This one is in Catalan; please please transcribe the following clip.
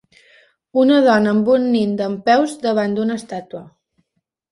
Una dona amb un nen dempeus davant d'una estàtua.